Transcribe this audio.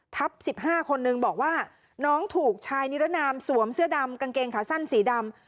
๑๕คนนึงบอกว่าน้องถูกชายนิรนามสวมเสื้อดำกางเกงขาสั้นสีดำ